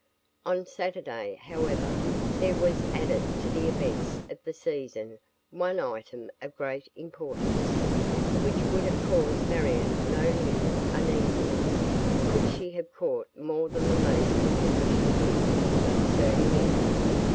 On Saturday, however, there was added to the events of the season one item of great importance, which would have caused Marion no little uneasiness could she have caught more than the most superficial hint concerning it.